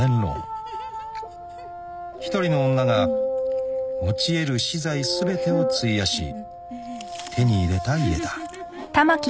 ［一人の女が持ち得る私財全てを費やし手に入れた家だ］